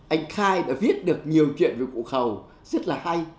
anh khai đã viết được nhiều chuyện về cụ khẩu rất là hay